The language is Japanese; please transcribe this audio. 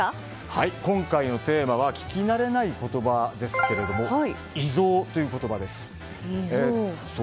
はい、今回のテーマは聞き慣れない言葉ですけれども遺贈という言葉です。